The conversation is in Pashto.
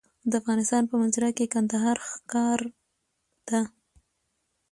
د افغانستان په منظره کې کندهار ښکاره ده.